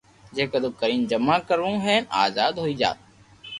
جڪدو ڪرين جما ڪراو ھين آزاد ھوئي جا